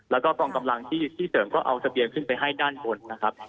แล้วก็กองกำลังที่เสริมก็เอาทะเบียนขึ้นไปให้ด้านบนนะครับ